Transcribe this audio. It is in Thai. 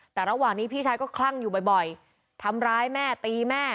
แต่ระหว่างนี้พี่ชายก็คลั่งอยู่บ่อยทำร้ายแม่ตีแม่